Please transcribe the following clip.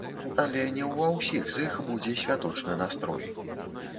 Але не ўва ўсіх з іх будзе святочны настрой.